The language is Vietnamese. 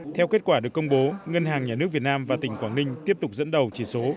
theo kết quả được công bố ngân hàng nhà nước việt nam và tỉnh quảng ninh tiếp tục dẫn đầu chỉ số